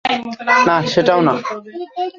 না, সেটাও না।